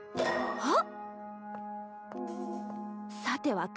あっ。